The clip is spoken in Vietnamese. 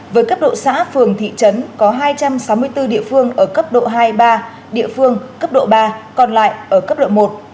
với cấp độ xã phường thị trấn có hai trăm sáu mươi bốn địa phương ở cấp độ hai ba địa phương cấp độ ba còn lại ở cấp độ một